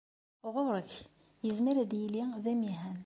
Ɣur-k! Yezmer ad yili d amihan.